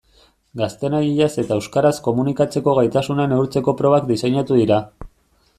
Gaztelaniaz eta euskaraz komunikatzeko gaitasuna neurtzeko probak diseinatu dira.